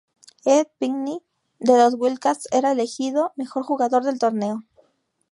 Ed Pinckney, de los Wildcats, era elegido Mejor Jugador del Torneo.